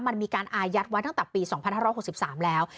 มันมีการอายัดไว้ตั้งแต่ปี๒๕๖๓แล้ว